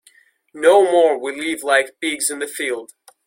No more we live like pigs in the field.